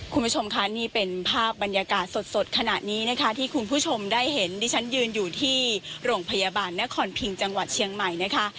คุณผู้ชมค่ะนี่เป็นภาพบรรยากาศสดขณะนี้นะคะที่คุณผู้ชมได้เห็นดิฉันยืนอยู่ที่โรงพยาบาลนครพิงจังหวัดเชียงใหม่นะคะ